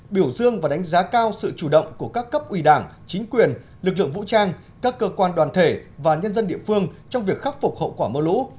biểu dương và đánh giá cao sự chủ động của các cấp ủy đảng chính quyền lực lượng vũ trang các cơ quan đoàn thể và nhân dân địa phương trong việc khắc phục hậu quả mưa lũ